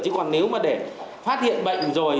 chứ còn nếu mà để phát hiện bệnh rồi